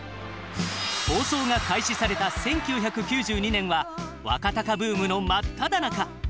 放送が開始された１９９２年は若貴ブームの真っただ中。